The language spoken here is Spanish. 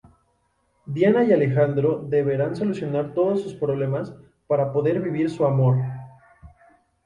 Diana y Alejandro deberán solucionar todos sus problemas para poder vivir su amor.